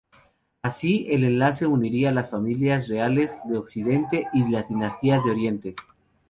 Así, el enlace uniría las familias reales de Occidente y las dinastías de Oriente.